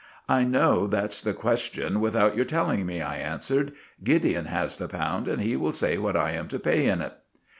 "I know that's the question without your telling me," I answered. "Gideon has the pound, and he will say what I am to pay in it."